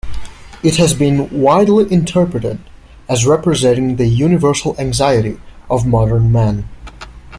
It has been widely interpreted as representing the universal anxiety of modern man.